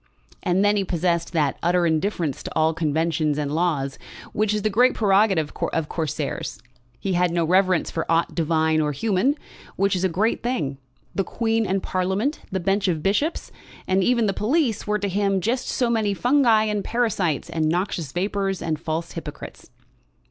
And then he possessed that utter indifference to all conventions and laws, which is the great prerogative of Corsairs. He had no reverence for aught divine or human, which is a great thing. The Queen and Parliament, the bench of bishops, and even the police, were to him just so many fungi and parasites, and noxious vapours, and false hypocrites.